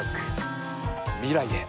未来へ。